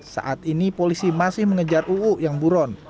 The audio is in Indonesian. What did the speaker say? saat ini polisi masih mengejar uu yang buron